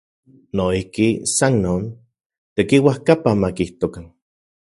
Noijki, san non, tekiuajkapa makijtokan.